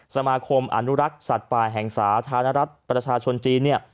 สมาคมอนุรักษ์สัตว์ป่าแห่งสาธารักษ์ประชาชนจีน